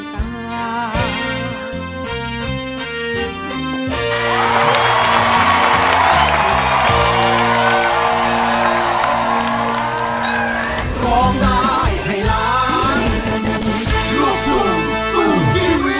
กล้องใจให้หลัง